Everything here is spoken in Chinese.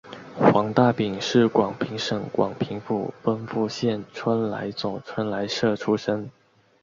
黄大秉是广平省广宁府丰富县春来总春来社出生。